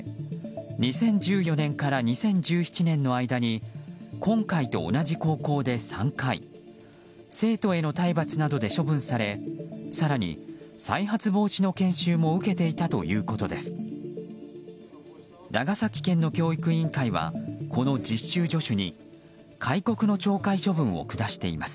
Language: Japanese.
２０１４年から２０１７年の間に今回と同じ高校で３回生徒への体罰などで処分され、更に再発防止の研修も受けていたということです。